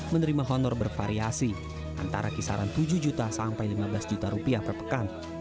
menerima honor bervariasi antara kisaran tujuh juta sampai lima belas juta rupiah per pekan